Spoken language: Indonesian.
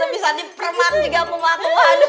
bisa dipermak juga mau mengaku aku